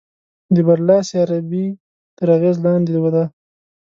د برلاسې عربي تر اغېز لاندې ده.